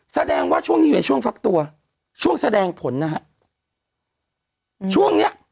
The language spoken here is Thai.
แสดงว่าช่วงนี้อยู่ในช่วงฟักตัวช่วงแสดงผลนะฮะช่วงเนี้ย